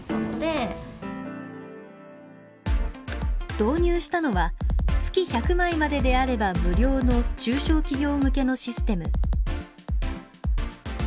導入したのは月１００枚までであれば無料の中小企業向けのシステム。